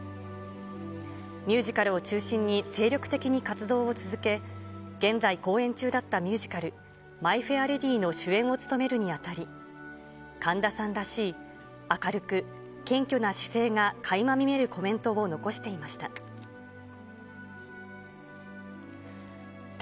ミュージカルを中心に、精力的に活動を続け、現在公演中だったミュージカル、マイ・フェア・レディの主演を務めるにあたり、神田さんらしい、明るく謙虚な姿勢がかいま見えるコメントを残していました。